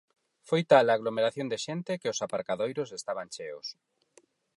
Foi tal a aglomeración de xente que os aparcadoiros estaban cheos.